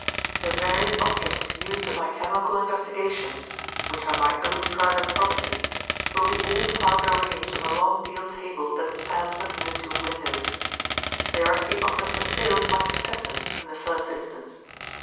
The various objects used in my chemical investigations, which are my own private property, will be all found arranged on the long deal table that stands between the two windows. They are to be offered for sale to my successor, in the first instance.